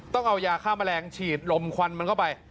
ต้องเอายาฆ่าแมลงฉีดลมควันมันเข้าไป